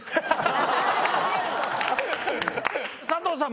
佐藤さん